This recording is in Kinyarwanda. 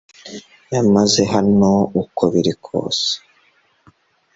Yamaze hano uko biri kose